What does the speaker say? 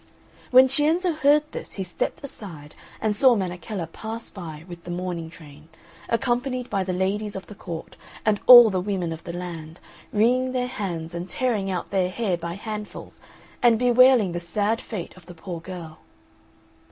When Cienzo heard this he stepped aside and saw Menechella pass by with the mourning train, accompanied by the ladies of the court and all the women of the land, wringing their hands and tearing out their hair by handfuls, and bewailing the sad fate of the poor girl.